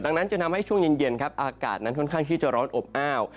ดังนั้นจะทำให้ช่วงเย็นครับอากาศนั้นค่อนข้างที่จะร้อนอบอ้าว